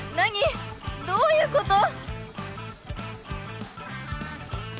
どういうこと？